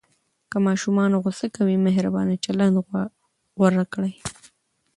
که ماشوم غوصه کوي، مهربانه چلند غوره کړئ.